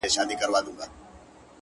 یاد ستوري ژوندي وای